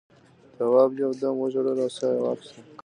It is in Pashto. تواب یو دم وژړل او سا یې واخیسته.